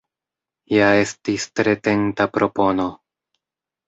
Ja estis tre tenta propono!